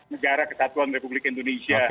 negara ketatuan republik indonesia